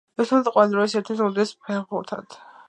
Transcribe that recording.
ითვლება ყველა დროის ერთ-ერთ უდიდეს ფეხბურთელად.